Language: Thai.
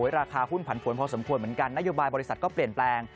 ราคาหุ้นผันผวนพอสมควรเหมือนกันนโยบายบริษัทก็เปลี่ยนแปลง